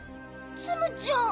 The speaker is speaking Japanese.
ツムちゃん。